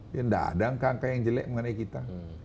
tidak ada angka angka yang jelek mengenai kita